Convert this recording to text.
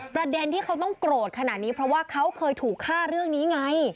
ประเด็นที่เขาต้องโกรธขนาดนี้เพราะว่าเขาเคยถูกฆ่าเรื่องนี้ไง